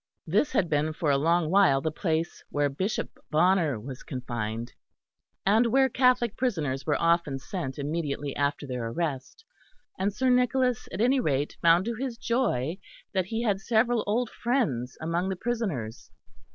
This had been for a long while the place where Bishop Bonner was confined; and where Catholic prisoners were often sent immediately after their arrest; and Sir Nicholas at any rate found to his joy that he had several old friends among the prisoners.